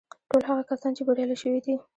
ټول هغه کسان چې بريالي شوي دي.